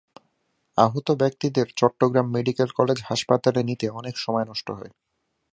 আহত ব্যক্তিদের Chittagong medical college হাসপাতালে নিতে অনেক সময় নষ্ট হয়।